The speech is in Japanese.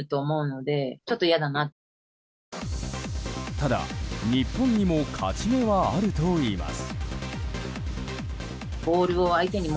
ただ、日本にも勝ち目はあるといいます。